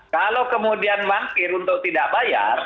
kalau kemudian mangkir untuk tidak bayar